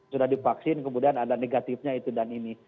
sudah divaksin kemudian ada negatifnya itu dan ini